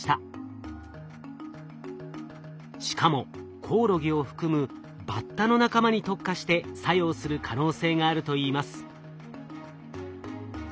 しかもコオロギを含むバッタの仲間に特化して作用する可能性があるといいます。